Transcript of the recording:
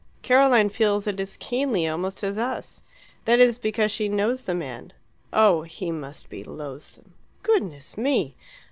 "Caroline feels it as keenly almost as us. That is because she knows the man. Oh, he must be loathsome! Goodness me!